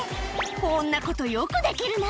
こんなことよくできるな。